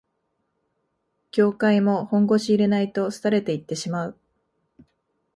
業界も本腰入れないと廃れていってしまう